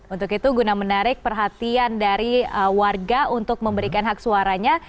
untuk itu guna menarik perhatian dari warga untuk memberikan hak suaranya